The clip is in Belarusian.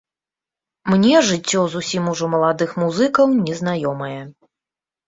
Мне жыццё зусім ужо маладых музыкаў не знаёмае.